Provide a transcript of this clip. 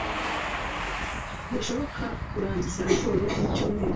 Ntibishoboka kurangiza raporo mucyumweru.